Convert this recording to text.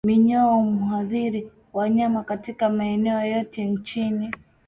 Minyoo huathiri wanyama katika maeneo yote nchini